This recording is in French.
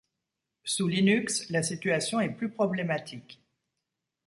Sous Linux, la situation est plus problématique.